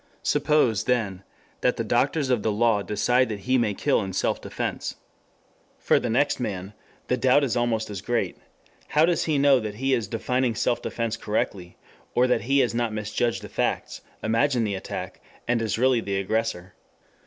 Suppose, then, that the doctors of the law decide that he may kill in self defense. For the next man the doubt is almost as great; how does he know that he is defining self defense correctly, or that he has not misjudged the facts, imagined the attack, and is really the aggressor?